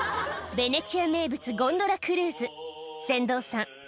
ベネチア名物ゴンドラクルーズ船頭さん